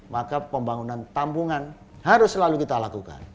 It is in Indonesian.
maka pembangunan tambungan harus selalu kita lakukan